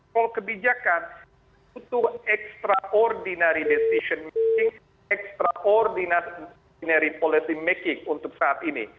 tol kebijakan untuk extraordinary decision making extraordinary policy making untuk saat ini